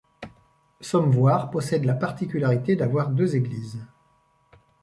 Sommevoire possède la particularité d'avoir deux églises.